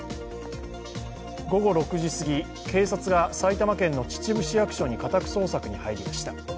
午後６時すぎ、警察が埼玉県の秩父市役所に家宅捜索に入りました。